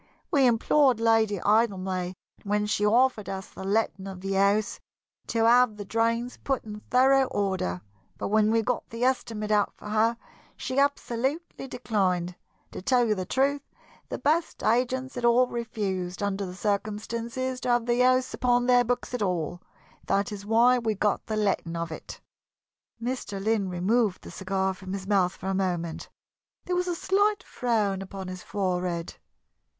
"We implored Lady Idlemay, when she offered us the letting of the house, to have the drains put in thorough order, but when we got the estimate out for her she absolutely declined. To tell you the truth, the best agents had all refused, under the circumstances, to have the house upon their books at all. That is why we got the letting of it." Mr. Lynn removed the cigar from his mouth for a moment. There was a slight frown Upon his forehead.